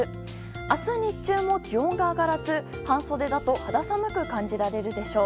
明日日中も気温が上がらず半袖だと肌寒く感じられるでしょう。